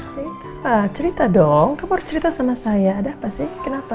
cerita cerita dong kamu harus cerita sama saya ada apa sih kenapa